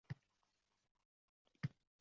Bekorlarni beshtasini yebsan!